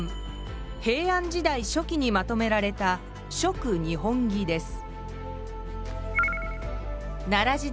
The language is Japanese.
平安時代初期にまとめられた「続日本紀」です。